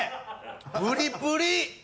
プリプリ！